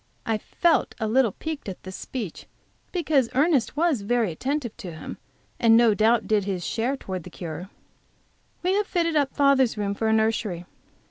I felt a little piqued at this speech, because Ernest was very attentive to him, and no doubt did his share towards the cure. We have fitted up father's room for a nursery.